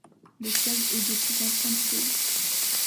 Le club est des plus anciens du pays.